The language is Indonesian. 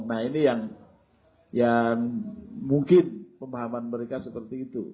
nah ini yang mungkin pemahaman mereka seperti itu